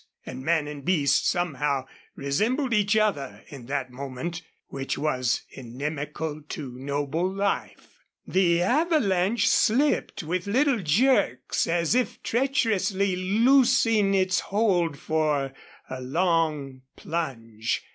And man and beast somehow resembled each other in that moment which was inimical to noble life. The avalanche slipped with little jerks, as if treacherously loosing its hold for a long plunge.